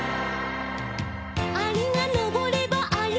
「アリがのぼればアリのき」